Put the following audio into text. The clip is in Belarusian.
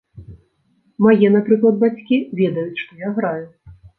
Мае, напрыклад, бацькі, ведаюць, што я граю.